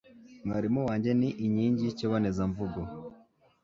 Mwarimu wanjye ni inkingi yikibonezamvugo.